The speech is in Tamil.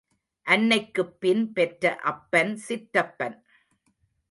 அன்னைக்குப் பின் பெற்ற அப்பன் சிற்றப்பன்.